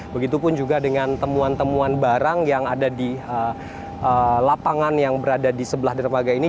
begitupun juga dengan temuan temuan barang yang ada di lapangan yang berada di sebelah dermaga ini